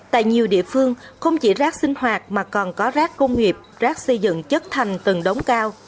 tại nhiều địa phương không chỉ rác sinh hoạt mà còn có rác công nghiệp rác xây dựng chất thành tầng đống cao